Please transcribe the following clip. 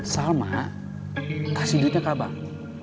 salma kasih duitnya ke abang